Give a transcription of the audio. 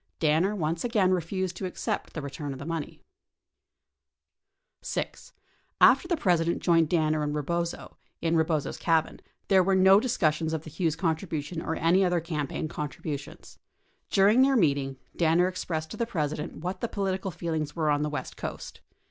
Danner once again refused to accept the return of the money. 40 21 Hearings 10101 2 , 10110 . 1012 6. After the President joined Danner and Rebozo, in Rebozo's cabin, there were no discussions of the Hughes contribution or any other campaign contributions. During their meeting, Danner ex pressed to the President what the political feelings were on the west coast.